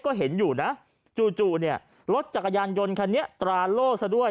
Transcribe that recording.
ก็เห็นอยู่นะจู่เนี่ยรถจักรยานยนต์คันนี้ตราโล่ซะด้วย